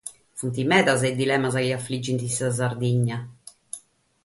Sunt medas sos dilemas chi afrigint sa Sardigna.